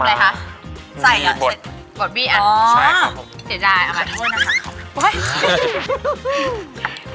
โทษเลยนะครับ